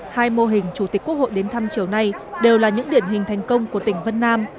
hai mô hình chủ tịch quốc hội đến thăm chiều nay đều là những điển hình thành công của tỉnh vân nam